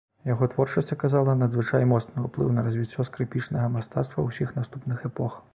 Яго творчасць аказала надзвычай моцны ўплыў на развіццё скрыпічнага мастацтва ўсіх наступных эпох.